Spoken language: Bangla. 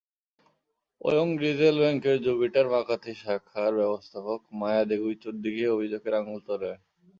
ওয়ং রিজেল ব্যাংকের জুপিটার মাকাতি শাখার ব্যবস্থাপক মায়া দেগুইতোর দিকে অভিযোগের আঙুল তোলেন।